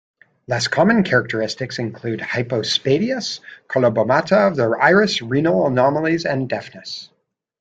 Less common characteristics include hypospadias, colobomata of the iris, renal anomalies, and deafness.